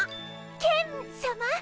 ケンさま？